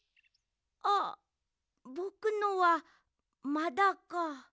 あっぼくのはまだか。